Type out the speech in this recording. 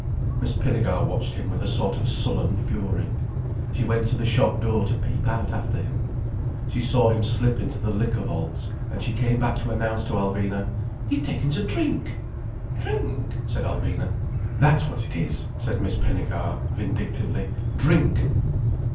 Miss Pinnegar watched him with a sort of sullen fury. She went to the shop door to peep out after him. She saw him slip into the Liquor Vaults, and she came back to announce to Alvina: "He's taken to drink!" "Drink?" said Alvina. "That's what it is," said Miss Pinnegar vindictively. "Drink!"